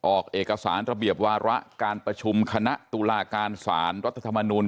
ออกเอกสารระเบียบวาระการประชุมคณะตุลาการสารรัฐธรรมนูล